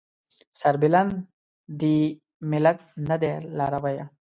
سربلند دې ملت نه دی لارويه